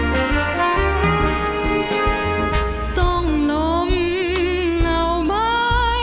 โปรดติดตามต่อไป